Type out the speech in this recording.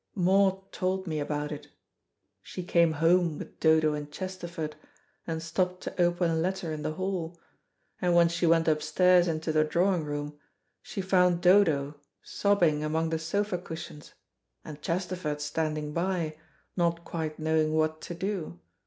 "Maud told me about it. She came home with Dodo and Chesterford, and stopped to open a letter in the hall, and when she went upstairs into the drawing room, she found Dodo sobbing among the sofa cushions, and Chesterford standing by, not quite knowing what to do.